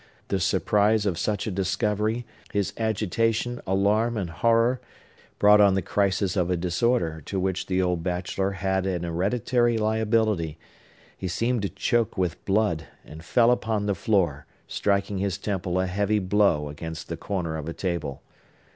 The surprise of such a discovery, his agitation, alarm, and horror, brought on the crisis of a disorder to which the old bachelor had an hereditary liability; he seemed to choke with blood, and fell upon the floor, striking his temple a heavy blow against the corner of a table.